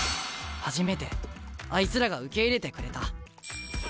初めてあいつらが受け入れてくれた。